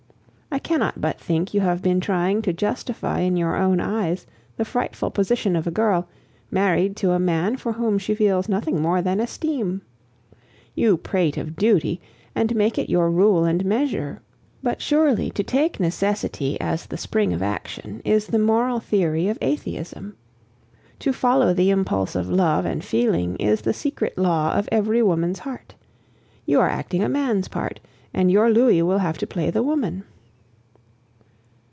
I cannot but think you have been trying to justify in your own eyes the frightful position of a girl, married to a man for whom she feels nothing more than esteem. You prate of duty, and make it your rule and measure; but surely to take necessity as the spring of action is the moral theory of atheism? To follow the impulse of love and feeling is the secret law of every woman's heart. You are acting a man's part, and your Louis will have to play the woman!